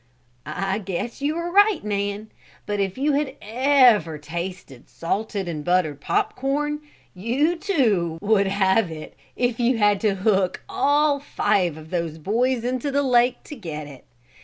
"I guess you are right, Nan. But if you had ever tasted salted and buttered pop corn you, too, would have it if you had to hook all five of those boys into the lake to get it.